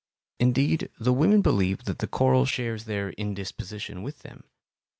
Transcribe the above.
Indeed, the women believe that the coral shares their indisposition with them.